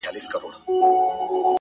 • تېره جنازه سوله اوس ورا ته مخامخ يمه،